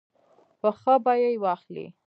په ښه بیه یې واخلي.